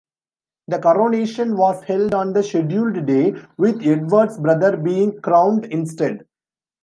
The coronation was held on the scheduled day, with Edward's brother being crowned instead.